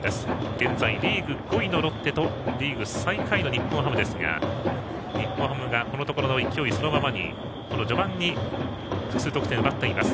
現在、リーグ５位のロッテとリーグ最下位の日本ハムですが日本ハムがこのところの勢いそのままに序盤に複数得点を奪っています。